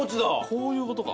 こういうことか。